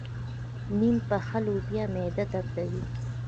نيم پخه لوبیا معده دردوي.